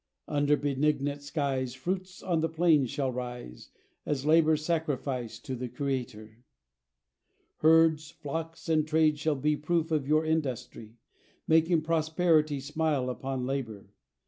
Under benignant skies, Fruits on the plains shall rise, As labour's sacrifice To the Creator. Herds, flocks, and trade shall be Proof of your industry, Making prosperity Smile upon labour.